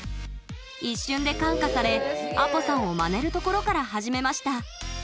一瞬で感化されＡＰＯ＋さんをまねるところから始めました。